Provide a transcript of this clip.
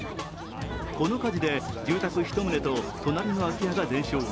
この火事で、住宅１棟と隣の空き家が全焼。